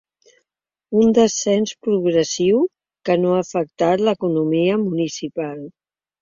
Un descens progressiu que no ha afectat l’economia municipal.